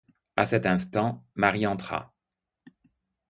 A cet instant, Marie entra.